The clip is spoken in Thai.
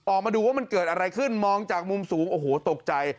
ออกมาดูว่ามันเกิดอะไรขึ้นมองจากมุมสูงโอ้โหตกใจ